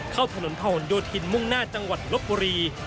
เข้าถนนผนโยธินมุ่งหน้าจังหวัดลบบุรี